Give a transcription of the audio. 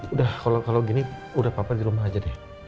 udah kalo gini udah papa dirumah aja deh